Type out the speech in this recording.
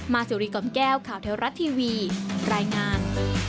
สิริกล่อมแก้วข่าวเทวรัฐทีวีรายงาน